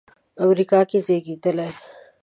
امریکا کې زېږېدلی.